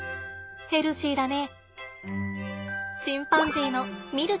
ヘルシーだね。